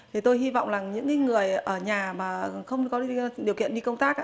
thì tôi hy vọng là những người ở nhà mà không có điều kiện đi công tác